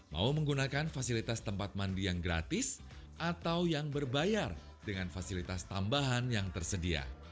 mau menggunakan fasilitas tempat mandi yang gratis atau yang berbayar dengan fasilitas tambahan yang tersedia